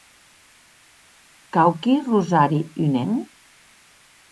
Quauqui rosari unenc?